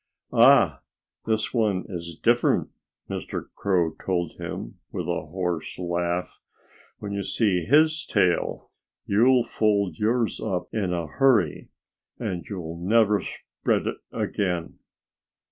"Ah! This one is different," Mr. Crow told him with a hoarse laugh. "When you see his tail you'll fold yours up in a hurry. And you'll never spread it again."